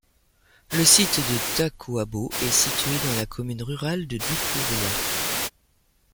Le site de Tacoubao est situé dans la commune rurale de Doukouria.